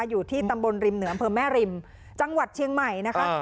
อยู่ที่ตำบลริมเหนืออำเภอแม่ริมจังหวัดเชียงใหม่นะคะ